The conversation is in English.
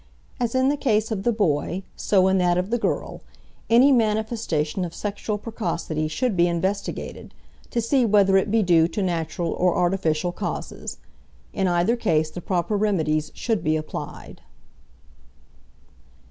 As in the case of the boy, so in that of the girl, any manifestation of sexual precocity should be investigated, to see whether it be due to natural or artificial causes. In either case the proper remedies should be applied.